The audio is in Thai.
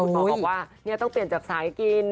หมอบอกว่าต้องเปลี่ยนจากสายกิน